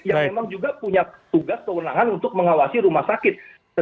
yang memang juga punya tugas kewenangan untuk mengawasi rumah sakit